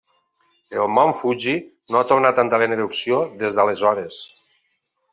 El Mont Fuji no ha tornat a entrar en erupció des d'aleshores.